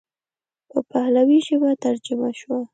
په پهلوي ژبه ترجمه شوه.